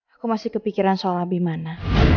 aku masih kepikiran soal nabi mana